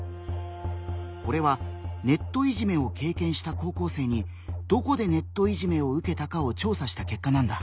これはネットいじめを経験した高校生に「どこでネットいじめを受けたか」を調査した結果なんだ。